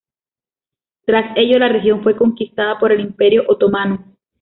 Tras ello, la región fue conquistada por el Imperio Otomano.